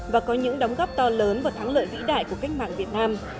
và có những đóng góp to lớn và thắng lợi vĩ đại của cách mạng việt nam